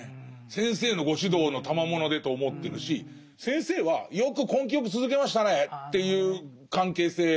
先生のご指導のたまものでと思ってるし先生はよく根気よく続けましたねっていう関係性なんですよ。